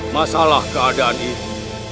masalah keadaan ini